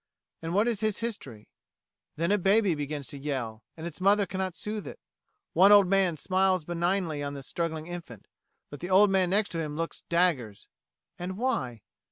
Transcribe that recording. and what is his history? Then a baby begins to yell, and its mother cannot soothe it. One old man smiles benignly on the struggling infant, but the old man next to him looks "daggers." And why?